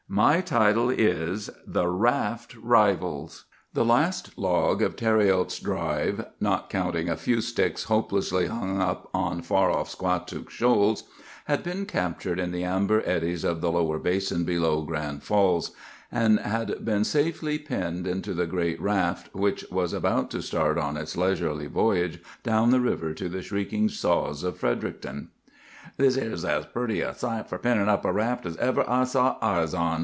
"My title is— 'THE RAFT RIVALS.' "The last log of Thériault's 'drive,' not counting a few sticks hopelessly 'hung up' on far off Squatook Shoals, had been captured in the amber eddies of the Lower Basin below Grand Falls, and had been safely pinned into the great raft which was just about to start on its leisurely voyage down the river to the shrieking saws of Fredericton. "'This 'ere's as purty a site fur pinnin' up a raft as ever I sot eyes on!"